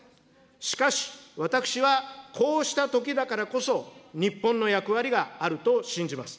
しかし、私はこうしたときだからこそ、日本の役割があると信じます。